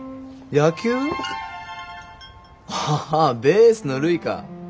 ああベースの塁か。